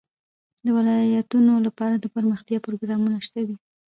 د ولایتونو لپاره دپرمختیا پروګرامونه شته دي.